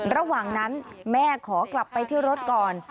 ระหว่างนั้นแม่ขอกลับไปที่รถก่อน